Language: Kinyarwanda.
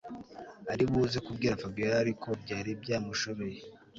aribuze kubwira Fabiora ariko byari byamushobeye